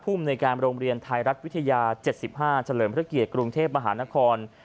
ภูมิในการโรงเรียนไทยรัฐวิทยา๗๕เฉลิมพระเกียรติกรุงเทพมหานคร